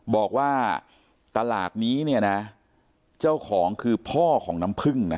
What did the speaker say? บอกว่าตลาดนี้เนี่ยนะเจ้าของคือพ่อของน้ำพึ่งนะ